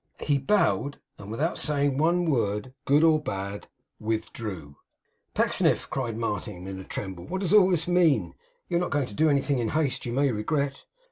He bowed, and without saying one word, good or bad, withdrew. 'Pecksniff,' cried Martin, in a tremble, 'what does all this mean? You are not going to do anything in haste, you may regret!